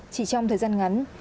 chỉ trong thời gian ngắn